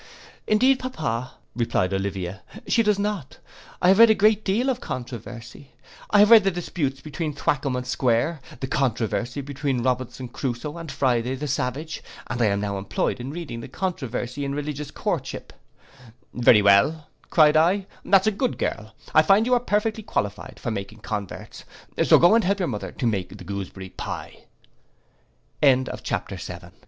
'Indeed, pappa,' replied Olivia, 'she does not: I have read a great deal of controversy. I have read the disputes between Thwackum and Square; the controversy between Robinson Crusoe and Friday the savage, and I am now employed in reading the controversy in Religious courtship'—'Very well,' cried I, 'that's a good girl, I find you are perfectly qualified for making converts, and so go help you